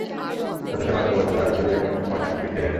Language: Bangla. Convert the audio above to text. অথচ বাস্তবতার দাবি ছিল এ মুহূর্তে ময়দান ছেড়ে যাওয়া।